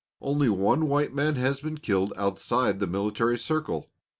Only one white man has been killed outside the military circle.